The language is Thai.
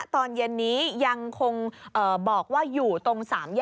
ตอนเย็นนี้ยังคงบอกว่าอยู่ตรง๓แยก